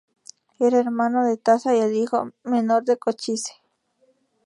Era hermano de Taza y el hijo menor de Cochise.